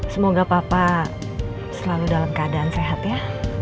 semoga papa selalu dalam keadaan sehat ya